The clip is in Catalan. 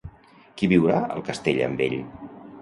Qui viurà al castell amb ell?